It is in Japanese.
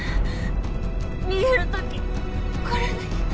逃げる時これだけ。